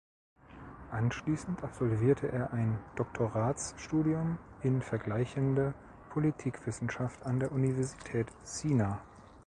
Anschließend absolvierte er ein Doktoratsstudium in Vergleichende Politikwissenschaft an der Universität Siena.